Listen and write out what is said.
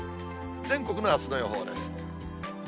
全国のあすの予報です。